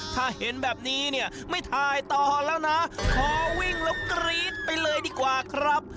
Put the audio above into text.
ถ้าเห็นแบบนี้เนี่ยไม่ถ่ายต่อแล้วนะขอวิ่งแล้วกรี๊ดไปเลยดีกว่าครับ